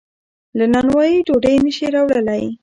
له نانوایۍ ډوډۍ نشي راوړلی.